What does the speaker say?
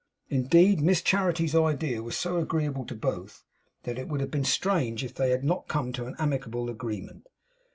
Indeed, Miss Charity's idea was so agreeable to both, that it would have been strange if they had not come to an amicable agreement.